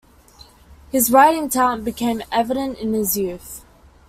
His writing talent became evident in his youth.